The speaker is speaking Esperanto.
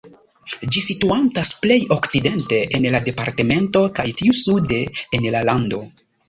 Ĝi situantas plej okcidente en la departemento, kaj tiu sude en la lando.